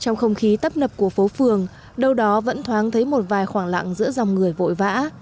trong không khí tấp nập của phố phường đâu đó vẫn thoáng thấy một vài khoảng lặng giữa dòng người vội vã